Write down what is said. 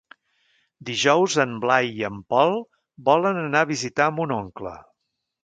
Dijous en Blai i en Pol volen anar a visitar mon oncle.